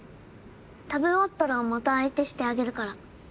食べ終わったらまた相手してあげるから。